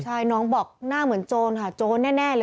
ใช่น้องบอกหน้าเหมือนโจรค่ะโจรแน่เลย